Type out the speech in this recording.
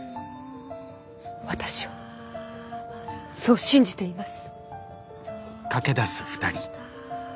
私はそう信じています。